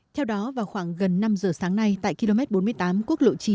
theo đó vào khoảng gần năm giờ sáng nay tại km bốn mươi tám quốc lộ chín